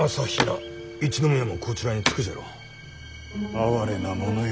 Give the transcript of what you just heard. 哀れなものよ